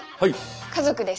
家族です。